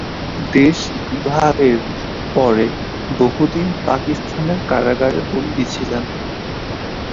দেশবিভাগের পরে বহুদিন পাকিস্তানের কারাগারে বন্দি ছিলেন।